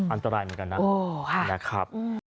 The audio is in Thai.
อันตรายเหมือนกันนะ